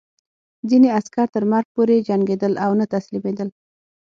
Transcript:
ځینې عسکر تر مرګ پورې جنګېدل او نه تسلیمېدل